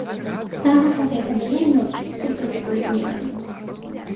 დამახასიათებელია ნოტიო სუბტროპიკული კლიმატი.